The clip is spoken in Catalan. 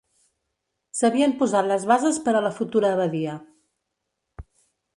S'havien posat les bases per la futura abadia.